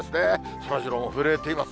そらジローも震えています。